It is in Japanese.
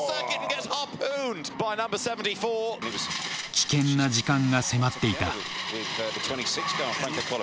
危険な時間が迫っていた。